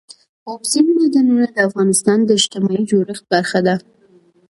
اوبزین معدنونه د افغانستان د اجتماعي جوړښت برخه ده.